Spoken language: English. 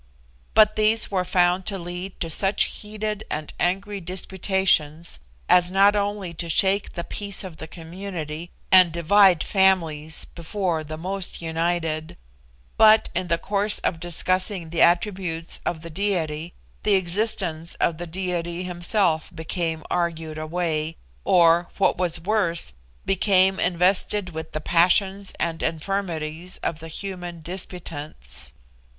But these were found to lead to such heated and angry disputations as not only to shake the peace of the community and divide families before the most united, but in the course of discussing the attributes of the Diety, the existence of the Diety Himself became argued away, or, what was worse, became invested with the passions and infirmities of the human disputants.